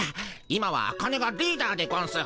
今はアカネがリーダーでゴンス。